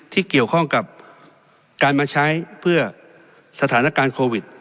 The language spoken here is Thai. ที่เกี่ยวข้องกับการมาใช้เพื่อสถานการณ์โควิด